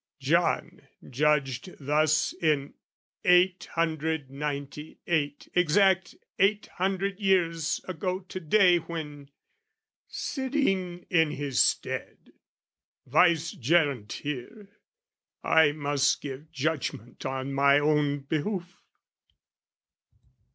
John judged thus in Eight Hundred Ninety Eight, Exact eight hundred years ago to day When, sitting in his stead, Vice gerent here, I must give judgment on my own behoof.